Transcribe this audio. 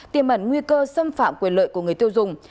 tiềm ẩn nguy cơ xâm phạm quyền lợi của người tiêu dùng